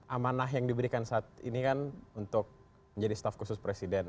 amanah yang diberikan saat ini kan untuk menjadi staff khusus presiden